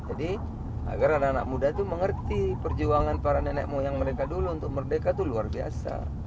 jadi agar anak anak muda tuh mengerti perjuangan para nenekmu yang mereka dulu untuk merdeka itu luar biasa